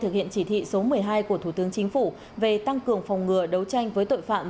thực hiện chỉ thị số một mươi hai của thủ tướng chính phủ về tăng cường phòng ngừa đấu tranh với tội phạm